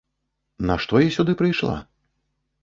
Нашто я сюды прыйшла?